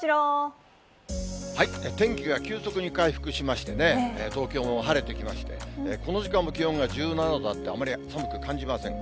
天気が急速に回復しましてね、東京も晴れてきまして、この時間も気温が１７度あって、あまり寒く感じません。